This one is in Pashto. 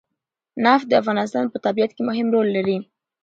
نفت د افغانستان په طبیعت کې مهم رول لري.